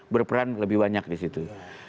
berperan lebih banyak disitu